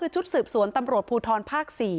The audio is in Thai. ชุดสืบสวนตำรวจภูทรภาค๔